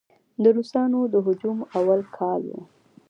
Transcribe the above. د روسانو د هجوم اول کال و.